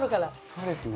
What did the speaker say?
そうですね。